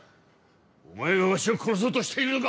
お前がわしを殺そうとしているのか！